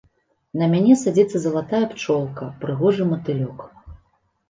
На мяне садзіцца залатая пчолка, прыгожы матылёк.